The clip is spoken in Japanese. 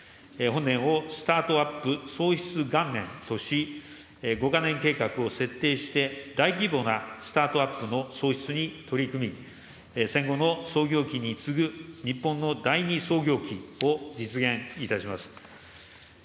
本年をスタートアップ創出元年とし、５か年計画を設定して、大規模なスタートアップの創出に取り組み、戦後の創業期に次ぐ日本の第２創業期を実現いたします。